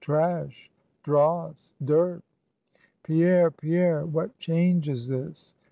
Trash! Dross! Dirt!" "Pierre! Pierre! what change is this?